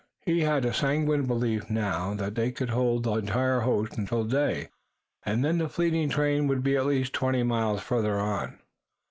He had a sanguine belief now that they could hold the entire host until day, and then the fleeing train would be at least twenty miles farther on.